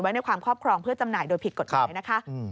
ในความครอบครองเพื่อจำหน่ายโดยผิดกฎหมายนะคะ